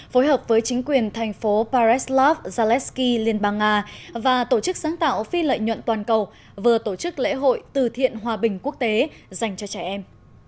phối hợp với chính quyền thành phố paraslav zaleski liên bang nga và tổ chức sáng tạo phi lợi nhuận toàn cầu vừa tổ chức lễ hội từ thiện hòa bình quốc tế dành cho trẻ em